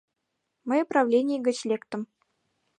Мый правлений гыч лектым.